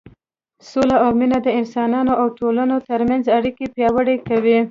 سوله او مینه د انسانانو او ټولنو تر منځ اړیکې پیاوړې کوي.